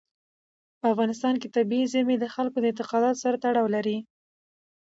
په افغانستان کې طبیعي زیرمې د خلکو د اعتقاداتو سره تړاو لري.